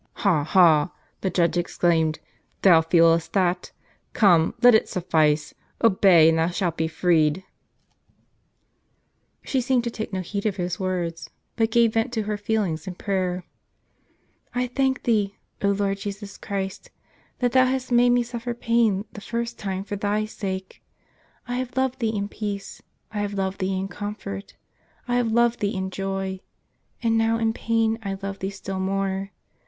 "Ha! ha!" the judge exclaimed, "thou feelest that? Come, let it suffice; obey, and thou shalt be freed." She seemed to take no heed of his words, but gave vent to her feelings in prayer: "I thank Thee, 0 Lord Jesus Christ, tliat Thou hast made me suffer pain the first time for Thy sake. I have loved Thee in peace ; I have loved Thee in com fort ; I have loved Thee in joy, — and now in pain I love Thee still more.